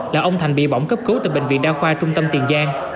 là ông thành bị bỏng cấp cố tại bệnh viện đa khoa tung tâm tiền giang